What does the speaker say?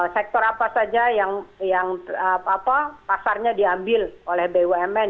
sektor apa saja yang pasarnya diambil oleh bumn